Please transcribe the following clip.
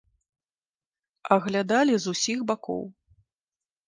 Аглядалі з усіх бакоў.